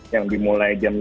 yang dimulai jam sembilan